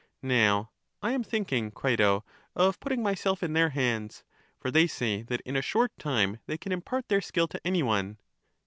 Now I am thinking, Crito, of putting myself in their hands; for they say that in a short time they can impart their skill to any one.